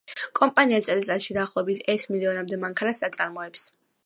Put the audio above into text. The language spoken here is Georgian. კომპანია წელიწადში დაახლოებით ერთ მილიონამდე მანქანას აწარმოებს.